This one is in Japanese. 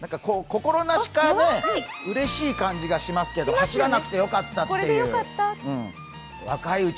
心なしかうれしい感じがしますけど、走らなくてよかったという。